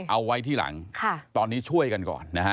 เอาไว้ที่หลังตอนนี้ช่วยกันก่อนนะฮะ